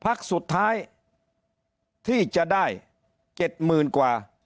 ภักดิ์สุดท้ายที่จะได้เจ็ดหมื่นกว่า